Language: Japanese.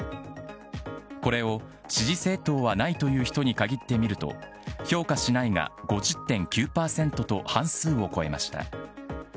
これを支持政党はないという人に限って見ると、評価しないが５０．９％と半数を超えました。